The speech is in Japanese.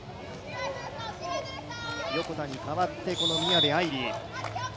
横田に代わって、この宮部藍梨。